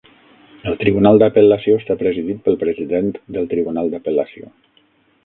El Tribunal d'apel·lació està presidit pel president del Tribunal d'apel·lació.